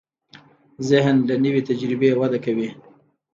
ذهن له نوې تجربې وده کوي.